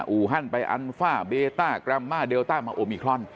อูฮันไปอันฟ่าเบต้าแกรมมาเลต้ามาโอมิครอน